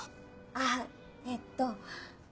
あぁえっと。